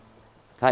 はい。